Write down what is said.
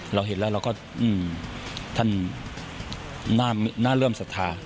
เราเห็นแล้วเราก็ท่านน่าเริ่มศรัทธา